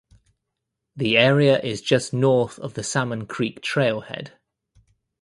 The area is just north of the Salmon Creek trailhead.